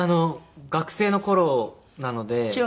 学生の頃なので。